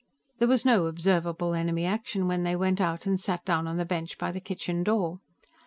There was no observable enemy action when they went out and sat down on the bench by the kitchen door.